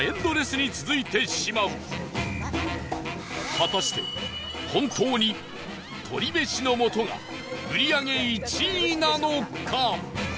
果たして、本当に鳥めしの素が売り上げ１位なのか？